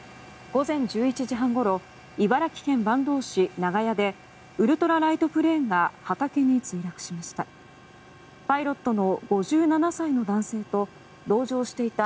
午前１１時半ごろ茨城県坂東市長谷でウルトラライトプレーンが畑に墜落しました。